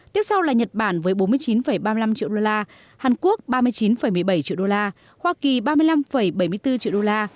tiếp sau là nhật bản với bốn mươi chín ba mươi năm triệu đô la hàn quốc ba mươi chín một mươi bảy triệu đô la